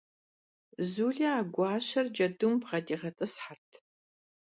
Zule a guaşer cedum bğediğet'ıshert.